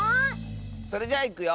それじゃあいくよ。